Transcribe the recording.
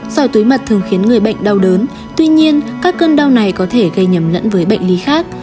sỏi túi mật thường khiến người bệnh đau đớn tuy nhiên các cơn đau này có thể gây nhầm lẫn với bệnh lý khác